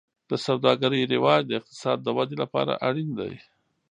د سوداګرۍ رواج د اقتصاد د ودې لپاره اړین دی.